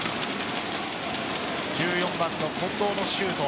１４番の近藤のシュート。